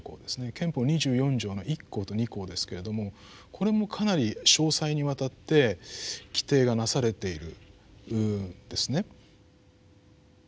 憲法二十四条の一項と二項ですけれどもこれもかなり詳細にわたって規定がなされているんですね。